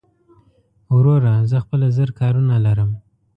وروره زه خپله زر کارونه لرم